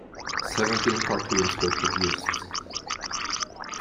Seventeen cartoons were produced.